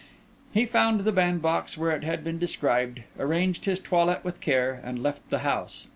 He found the bandbox where it had been described, arranged his toilette with care, and left the house.